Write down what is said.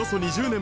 ２０年